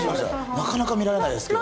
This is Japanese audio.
なかなか見られないですけどね。